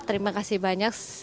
terima kasih banyak